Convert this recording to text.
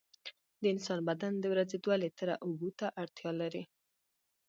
د انسان بدن د ورځې دوه لېټره اوبو ته اړتیا لري.